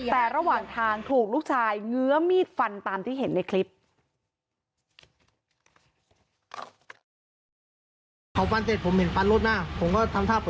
แต่ระหว่างทางถูกลูกชายเงื้อมีดฟันตามที่เห็นในคลิป